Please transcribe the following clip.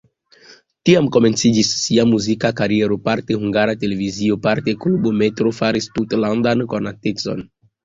Tiam komenciĝis sia muzika kariero, parte Hungara Televizio, parte klubo "Metro" faris tutlandan konatecon.